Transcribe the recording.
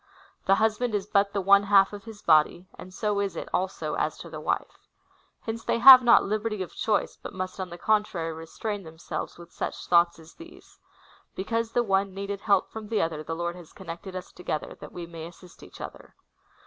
'" The husband is but the one half of his body, and so is it, also, as to the wife. Hence they have not liberty of choice, but must on the contrary restrain themselves with such thoughts as these :" Because the one needed help from the other, the Lord has connected us together, that we may assist each other."